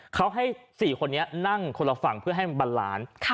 เขาให้๔คนนี้นั่งคนละฝั่งเพื่อให้มันบันล้าน